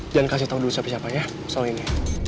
jangan kasih tahu dulu siapa siapanya soal ini